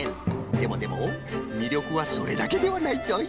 でもでもみりょくはそれだけではないぞい。